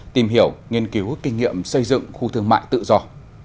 tìm hiểu nghiên cứu kinh nghiệm xây dựng khu thương mại tự do